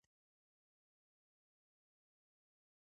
په بادغیس ولایت کې د پستې لوی ځنګلونه په طبیعي ډول شتون لري.